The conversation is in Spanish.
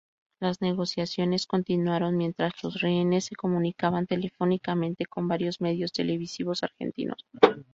Las negociaciones continuaron mientras los rehenes se comunicaban telefónicamente con varios medios televisivos argentinos.